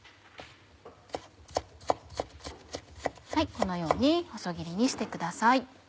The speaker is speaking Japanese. このように細切りにしてください。